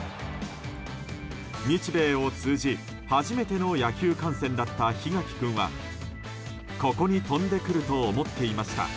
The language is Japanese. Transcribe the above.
日米を通じ初めての野球観戦だった檜垣君はここに飛んでくると思っていました